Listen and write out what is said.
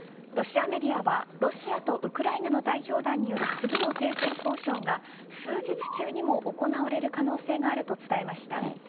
ロシアメディアはロシアとウクライナの代表団による次の停戦交渉が数日中にも行われる可能性があると伝えました。